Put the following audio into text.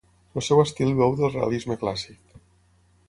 El seu estil beu del realisme clàssic.